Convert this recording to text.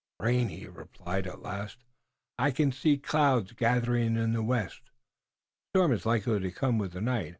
"Rain," he replied at last; "I can see clouds gathering in the west, and a storm is likely to come with the night.